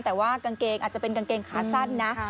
แต่ว่ากางเกงอาจจะเป็นกางเกงขาสั้นนะ